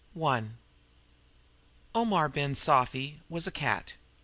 "] I Omar Ben Sufi was a cat.